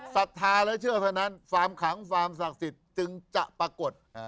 ศรัทธาและเชื่อเท่านั้นฟาร์มขังฟาร์มศักดิ์สิทธิ์จึงจะปรากฏ